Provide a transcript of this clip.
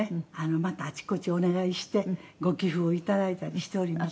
またあちこちお願いしてご寄付を頂いたりしております。